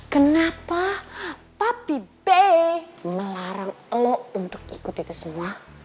kenapa papi b melarang lo untuk ikut itu semua